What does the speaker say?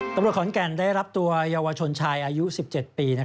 ตำรวจขอนแก่นได้รับตัวเยาวชนชายอายุ๑๗ปี